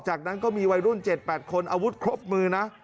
จากนั้นก็มีวัยรุ่น๗๘คนอาวุธครบมือนะ